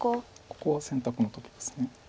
ここは選択の時です。